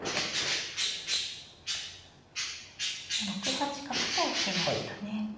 ６八角と引きましたね。